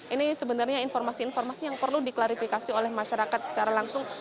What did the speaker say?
ini sebenarnya informasi informasi yang perlu diklarifikasi oleh masyarakat secara langsung